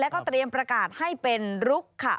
แล้วก็เตรียมประกาศให้เป็นลุกค่ะ